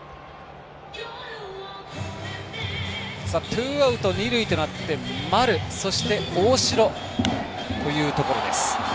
ツーアウト、二塁となって丸、そして大城というところです。